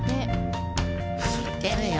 「知ってるよ。